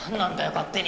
勝手に。